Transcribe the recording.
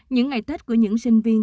những ngày tết của những sinh viên